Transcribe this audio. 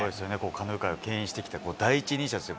カヌー界をけん引してきた第一人者ですよ。